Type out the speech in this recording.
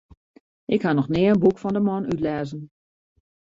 Ik ha noch nea in boek fan de man útlêzen.